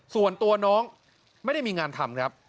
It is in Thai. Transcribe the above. ส่วนตัวน้องไม่ได้มีงานทำครับ